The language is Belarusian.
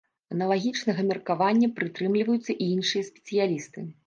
Аналагічнага меркавання прытрымліваюцца і іншыя спецыялісты.